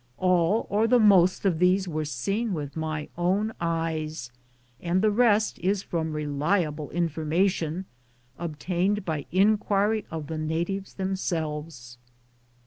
All or the most of these were seen with my own eyes, and the rest is from reliable information obtained by inquiry of the natives themselves.